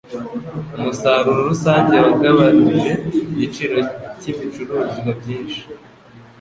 Umusaruro rusange wagabanije igiciro cyibicuruzwa byinshi.